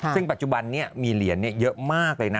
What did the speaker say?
ซึ่งปัจจุบันนี้มีเหรียญเยอะมากเลยนะ